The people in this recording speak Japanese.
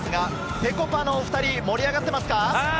ぺこぱのお２人、盛り上がってますか？